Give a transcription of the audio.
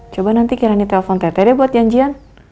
coba nanti kirain di telpon tetehnya buat janjian